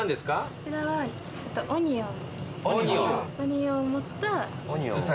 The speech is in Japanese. こちらはオニオンですね。